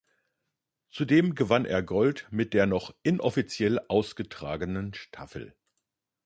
Zudem gewann er Gold mit der noch inoffiziell ausgetragenen Staffel.